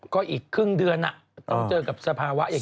ก็อีกครึ่งเดือนต้องเจอกับสภาวะอีก